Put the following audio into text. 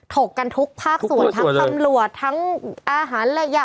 ถกกันทุกภาคส่วนทั้งตำรวจทั้งอาหารระยะ